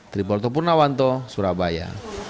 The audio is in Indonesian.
tribur topurnawanto surabaya